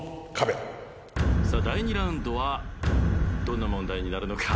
第２ラウンドはどんな問題になるのか。